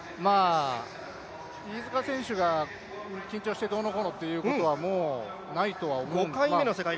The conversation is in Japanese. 飯塚選手が緊張してどうのこうのということは、もうないとは思うんですが。